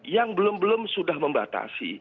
yang belum belum sudah membatasi